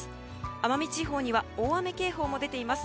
奄美地方には大雨警報も出ています。